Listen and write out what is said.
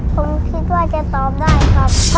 ผมคิดว่าจะตอบได้ครับ